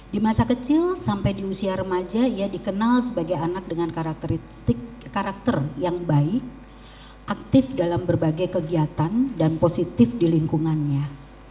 di masa kecil sampai di usia remaja ia dikenal sebagai anak dengan karakter yang baik aktif dalam berbagai kegiatan dan positif di lingkungannya